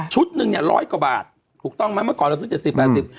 หนึ่งเนี่ยร้อยกว่าบาทถูกต้องไหมเมื่อก่อนเราซื้อเจ็ดสิบแปดสิบ